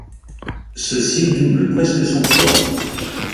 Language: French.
Ceci double presque son poids.